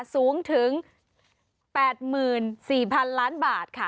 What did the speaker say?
สูงถึง๘๔๐๐๐ล้านบาทค่ะ